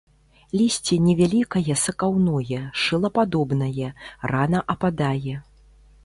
Лісце невялікае сакаўное, шылападобнае, рана ападае.